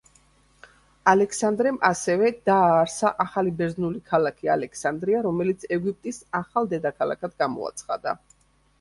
ალექსანდრემ ასევე დააარსა ახალი ბერძნული ქალაქი ალექსანდრია, რომელიც ეგვიპტის ახალ დედაქალაქად გამოაცხადა.